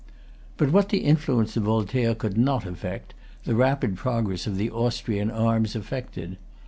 But what the influence of Voltaire could not effect, the rapid progress of the Austrian arms effected.